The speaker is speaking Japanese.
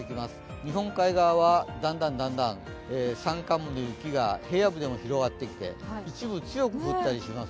日本海側はだんだん、山間部の雪が平野部でも広がってきて、一部強く降ったりします。